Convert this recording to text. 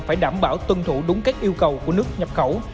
phải đảm bảo tuân thủ đúng các yêu cầu của nước nhập khẩu